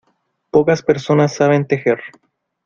Pocas personas saben tejer.